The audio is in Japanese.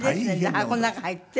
で箱の中入って？